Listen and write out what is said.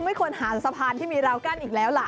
ไม่ควรหาสะพานที่มีราวกั้นอีกแล้วล่ะ